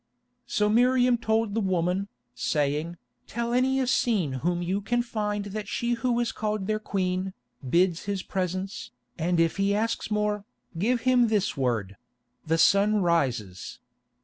So Miriam told the woman, saying, "Tell any Essene whom you can find that she who is called their Queen, bids his presence, and if he asks more, give him this word—'The sun rises.